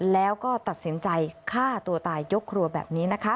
แล้วก็ตัดสินใจฆ่าตัวตายยกครัวแบบนี้นะคะ